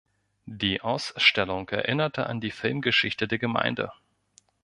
Die Ausstellung erinnerte an die Filmgeschichte der Gemeinde.